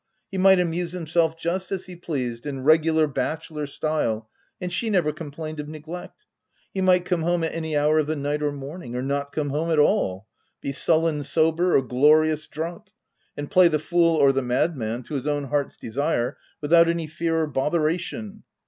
He might amuse himself just as he pleased, in regular bachelor style, and she never com plained of neglect ; he might come home at any hour of the night or morning, or not come home at all ; be sullen sober, or glorious drunk ; and play the fool or the madman to his own heart's desire without any fear or bother ation.